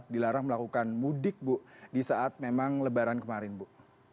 dilarang melakukan mudik bu di saat memang lebaran kemarin bu